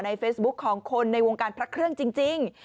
เฟซบุ๊คของคนในวงการพระเครื่องจริง